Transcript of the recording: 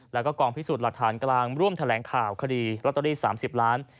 แล้วก็กองพิสูจน์หลักฐานกลางร่วมแถลงข่าวคดีลอตเตอรี่๓๐ล้าน